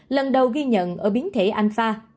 lần đầu ghi nhận ở biến thể alpha